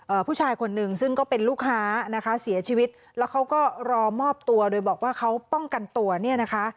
ผู้ชายคนหนึ่งซึ่งก็เป็นลูกค้านะคะเสียชีวิตแล้วเขาก็รอมอบตัวโดยบอกว่าเขาป้องกันตัวเนี่ยนะคะ